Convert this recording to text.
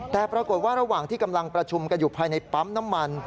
แต่ปรากฏว่าระหว่างที่กำลังประชุมกันอยู่ภายในปั๊มน้ำมัน